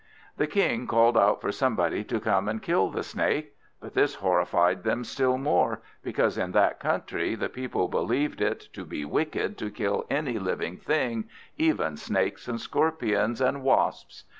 The King called out for somebody to come and kill the Snake; but this horrified them still more, because in that country the people believed it to be wicked to kill any living thing, even snakes, and scorpions, and wasps.